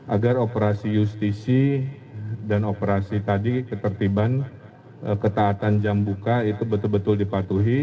agar operasi justisi dan operasi tadi ketertiban ketaatan jam buka itu betul betul dipatuhi